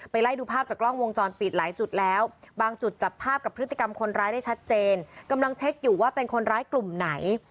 ไล่ดูภาพจากกล้องวงจรปิดหลายจุดแล้วบางจุดจับภาพกับพฤติกรรมคนร้ายได้ชัดเจนกำลังเช็คอยู่ว่าเป็นคนร้ายกลุ่มไหน